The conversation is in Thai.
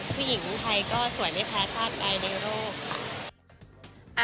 ผู้หญิงไทยก็สวยไม่แพ้ชาติใดในโลกค่ะ